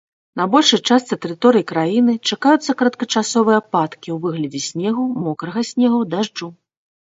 На большай частцы тэрыторыі краіны чакаюцца кароткачасовыя ападкі ў выглядзе снегу, мокрага снегу, дажджу.